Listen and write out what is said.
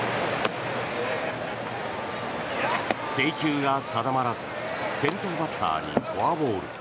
制球が定まらず先頭バッターにフォアボール。